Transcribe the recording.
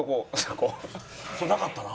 それなかったな。